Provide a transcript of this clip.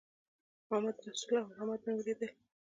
محمدرسول او محمد مې ولیدل.